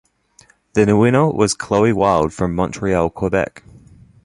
The winner was Chloe Wilde from Montreal, Quebec.